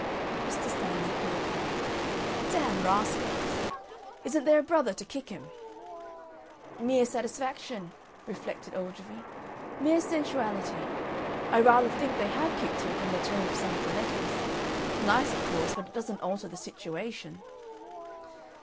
Mr. Stanley poured wine. "Damned Rascal!" he said. "Isn't there a brother to kick him?" "Mere satisfaction," reflected Ogilvy. "Mere sensuality. I rather think they have kicked him, from the tone of some of the letters. Nice, of course. But it doesn't alter the situation."